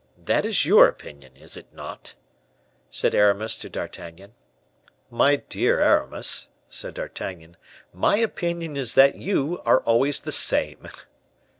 That is your opinion, is it not?" said Aramis to D'Artagnan. "My dear Aramis," said D'Artagnan, "my opinion is that you are always the same."